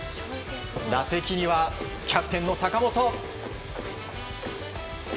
打席にはキャプテンの坂本。